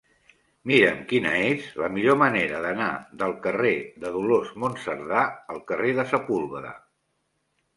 Mira'm quina és la millor manera d'anar del carrer de Dolors Monserdà al carrer de Sepúlveda.